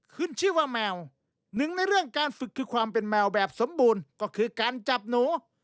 ขึ้นชื่อว่าแมวหนึ่งในเรื่องการฝึกคือความเป็นแมวแบบสมบูรณ์ก็คือการจับหนู